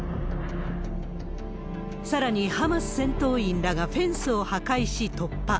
さらに、ハマス戦闘員らがフェンスを破壊し突破。